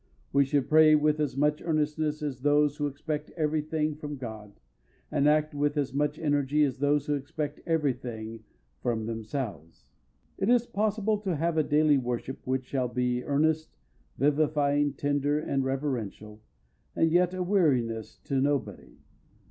We should pray with as much earnestness as those who expect every thing from God, and act with as much energy as those who expect every thing from themselves. It is possible to have a daily worship which shall be earnest, vivifying, tender and reverential, and yet a weariness to nobody.